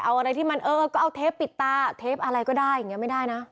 เอาอะไรที่มันเออก็เอาเทปปิดตาเทปอะไรก็ได้อย่างนี้ไม่ได้นะ